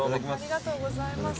ありがとうございます。